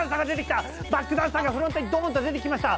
バックダンサーがフロントにドーンと出てきました。